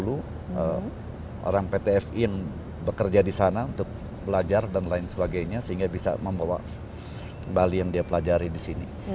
ada orang pt fi yang bekerja di sana untuk belajar dan lain sebagainya sehingga bisa membawa kembali yang dia pelajari di sini